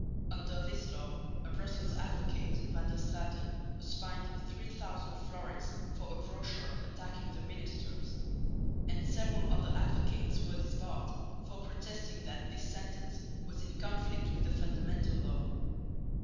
Under this law a Brussels advocate, Van der Straeten, was fined 3000 fl. for a brochure attacking the ministers; and several other advocates were disbarred for protesting that this sentence was in conflict with the Fundamental Law.